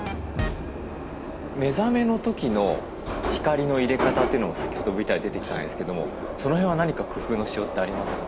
目覚めの時の光の入れ方というのも先ほどＶＴＲに出てきたんですけどもその辺は何か工夫のしようってありますか？